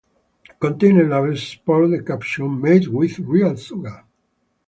Container labels sport the caption, "Made With Real Sugar".